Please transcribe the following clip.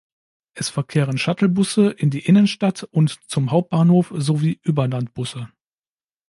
Es verkehren Shuttlebusse in die Innenstadt und zum Hauptbahnhof sowie Überlandbusse.